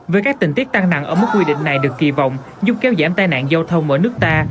với các tình tiết tăng nặng ở mức quy định này được kỳ vọng giúp kéo giảm tai nạn giao thông ở nước ta